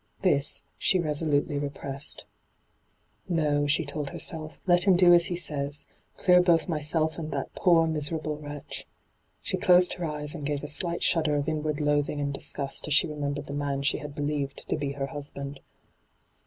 This she resolutely repressed. ' No,* she told herself. ' Let him do as he says — clear both myself and that poor, miserable wretch.' (She closed her eyes and gave a slight shudder of inward loathii^ and disgust as she remembered the man she had believed to be her husband.)